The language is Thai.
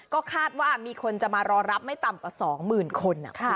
ก็คาดว่ามีคนจะมารอรับไม่ต่ำกว่า๒๐๐๐คน